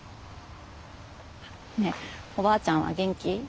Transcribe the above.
あっねえおばあちゃんは元気？